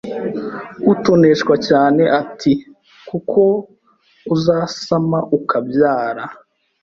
utoneshwa cyane ati"kuko uzasama ukabyara